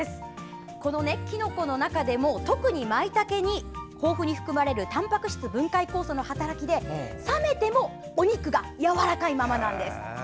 きのこの中でも特にまいたけに豊富に含まれるたんぱく質分解酵素の働きで冷めてもお肉がやわらかいままなんです。